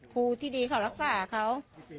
ครูที่ดีเขารักษาเขา